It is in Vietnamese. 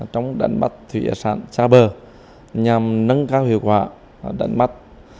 trong đánh bắt thủy hải sản xa bờ nhằm nâng cao hiệu quả đánh bắt